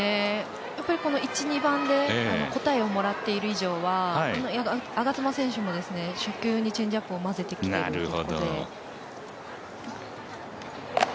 １、２番で答えをもらっている以上は、我妻選手も初球にチェンジアップを交ぜてきているので。